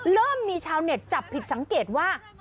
เริ่มมีชาวเน็ตจับผิดสังเกตว่า